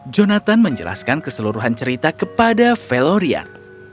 jonathan menjelaskan keseluruhan cerita kepada velorian